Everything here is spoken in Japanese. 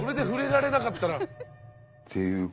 っていうか